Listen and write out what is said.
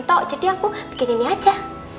tok jadi aku bikin ini aja